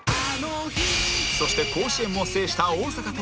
そして甲子園も制した大阪桐蔭